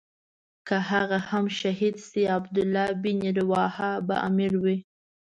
که هغه هم شهید شي عبدالله بن رواحه به امیر وي.